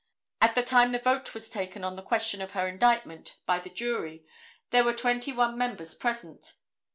At the time the vote was taken on the question of her indictment by the jury there were twenty one members present.